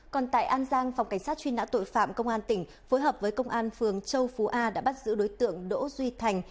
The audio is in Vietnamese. còn tại an giang phòng cảnh sát truy nã tội phạm công an tỉnh phối hợp với công an phường châu phú a đã bắt giữ đối tượng đỗ duy thành